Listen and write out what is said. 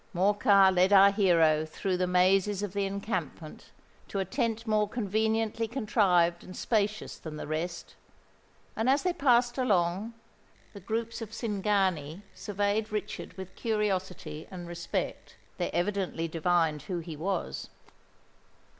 Morcar led our hero through the mazes of the encampment to a tent more conveniently contrived and spacious than the rest; and as they passed along, the groups of Cingani surveyed Richard with curiosity and respect. They evidently divined who he was.